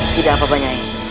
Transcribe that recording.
tidak apa apa nyai